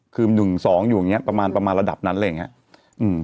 คือ๑๒อยู่อย่างเงี้ยประมาณประมาณระดับนั้นเลยอย่างเงี้ยอืม